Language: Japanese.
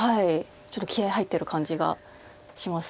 ちょっと気合い入ってる感じがします。